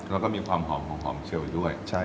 แล้วก็มีความหอมเชียวด้วย